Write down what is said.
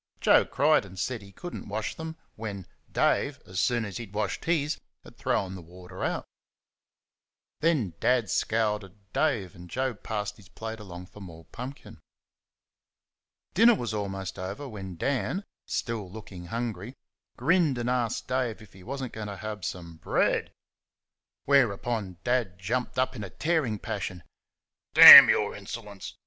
Joe cried and said that he could n't wash them when Dave, as soon as he had washed his, had thrown the water out. Then Dad scowled at Dave, and Joe passed his plate along for more pumpkin. Dinner was almost over when Dan, still looking hungry, grinned and asked Dave if he was n't going to have some BREAD? Whereupon Dad jumped up in a tearing passion. "D n your insolence!"